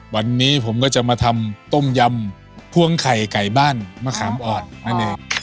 วันนี้ผมก็จะมาทำต้มยำพ่วงไข่ไก่บ้านมะขามอ่อนนั่นเอง